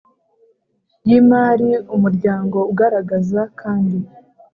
Y imari umuryango ugaragaza kandi